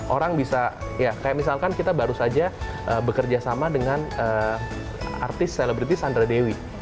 orang bisa ya kayak misalkan kita baru saja bekerja sama dengan artis selebriti sandra dewi